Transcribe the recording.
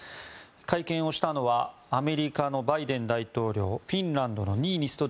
会見をしたのはアメリカのバイデン大統領フィンランドのニーニスト